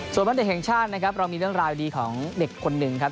ส่วนวันเด็กแห่งชาตินะครับเรามีเรื่องราวดีของเด็กคนหนึ่งครับ